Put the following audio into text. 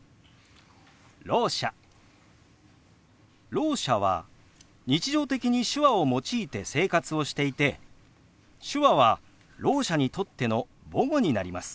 ろう者は日常的に手話を用いて生活をしていて手話はろう者にとっての母語になります。